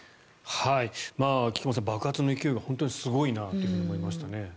菊間さん爆発の勢いがすごいなって思いましたね。